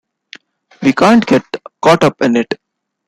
We can't get caught up in it.